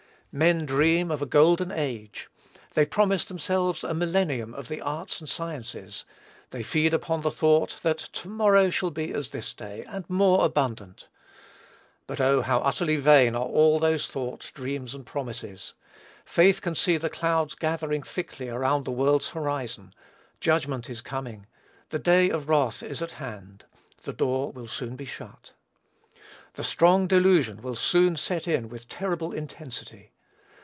Men dream of a golden age; they promise themselves a millennium of the arts and sciences; they feed upon the thought, that "to morrow shall be as this day, and more abundant." But, oh! how utterly vain are all those thoughts, dreams, and promises. Faith can see the clouds gathering thickly around the world's horizon. Judgment is coming. The day of wrath is at hand. The door will soon be shut. The "strong delusion" will soon set in with terrible intensity.